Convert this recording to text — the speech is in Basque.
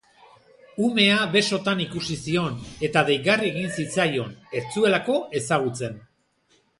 Umea besotan ikusi zion eta deigarri egin zitzaion, ez zuelako ezagutzen.